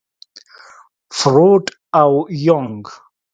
فروډ او يونګ.